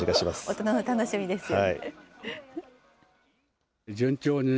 大人の楽しみですよ。